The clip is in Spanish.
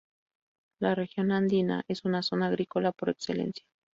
La región andina, es una zona agrícola por excelencia.